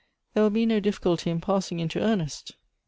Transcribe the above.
There will be no difficulty in passing into earnest."